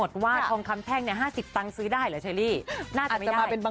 เดี๋ยวต้องรอเขาซื้อให้ก่อนค่ะ